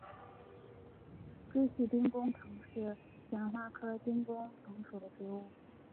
锥序丁公藤是旋花科丁公藤属的植物。